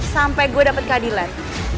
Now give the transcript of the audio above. sampai gue dapet keadilan